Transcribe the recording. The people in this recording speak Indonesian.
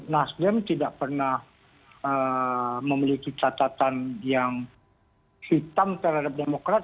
nasdem tidak pernah memiliki catatan yang hitam terhadap demokrat